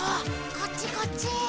こっちこっち。